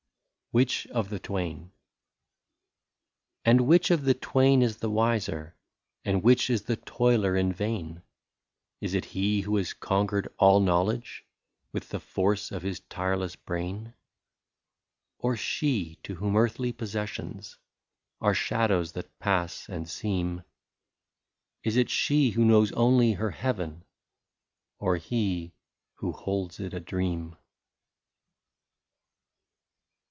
112 WHICH OF THE TWAIN ? And which of the twain is the wiser, And which is the toiler in vain : Is it he who has conquered all knowledge With the force of his tireless brain ; Or she, to whom earthly possessions Are shadows that pass and seem ; Is it she, who knows only her Heaven, Or he, who holds it a dream